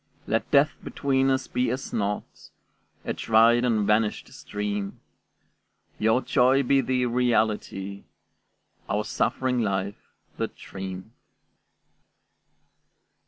Let death between us be as naught, A dried and vanished stream; Your joy be the reality, Our suffering life the dream.